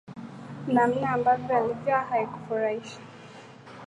Namna ambavyo alivaa haikufurahisha.